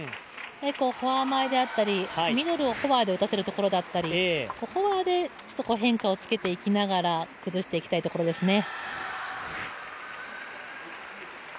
フォア前であったり、ミドルをフォアで打たせるところだったりフォアで変化をつけていきながら崩していきたいところですね。